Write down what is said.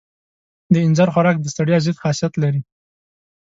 د اینځر خوراک د ستړیا ضد خاصیت لري.